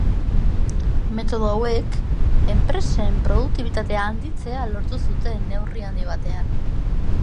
Metodo hauek, enpresen produktibitate handitzea lortu zuten neurri handi batean.